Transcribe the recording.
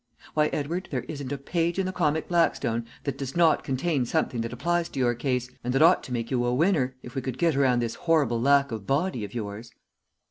Why, Edward, there isn't a page in the Comic Blackstone that does not contain something that applies to your case, and that ought to make you a winner if we could get around this horrible lack of body of yours.